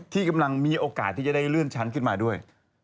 ที่กำลังมีโอกาสที่จะได้เลื่อนชั้นขึ้นมาด้วย